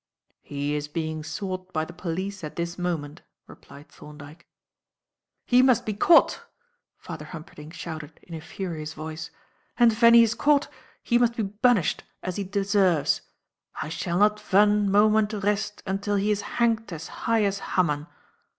"He is being sought by the police at this moment," replied Thorndyke. "He must be caught!" Father Humperdinck shouted in a furious voice, "and ven he is caught he must be bunished as he deserves. I shall not vun moment rest until he is hanged as high as Haman."